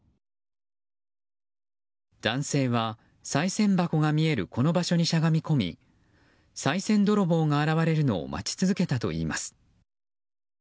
男性は、さい銭箱が見えるこの場所にしゃがみ込みさい銭泥棒が現れるのを待ち続けたといいます。